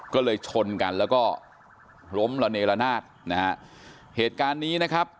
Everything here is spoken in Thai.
ก็เลยชนกันแล้วก็ล้มระเนละนาดนะฮะเหตุการณ์นี้นะครับ